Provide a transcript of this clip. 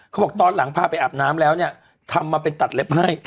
เขาบอกตอนหลังพาไปอาบน้ำแล้วเนี่ยทำมาเป็นตัดเล็บให้